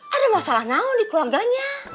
ada masalah nyamuk di keluarganya